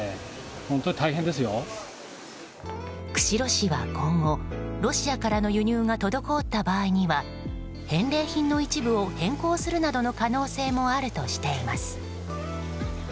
釧路市は今後、ロシアからの輸入が滞った場合には返礼品の一部を変更するなどの可能性もあるとしています。